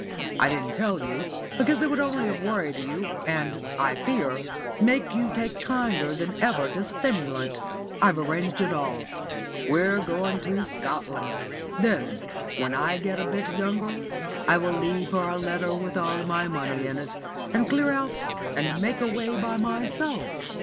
I didn't tell you, because it would only have worried you, and, I fear, make you take kinder than ever to stimulant. I've arranged it all. We're going to Scotland. Then, when I get a bit younger, I shall leave her a letter with all my money in it, and clear out and make away with myself.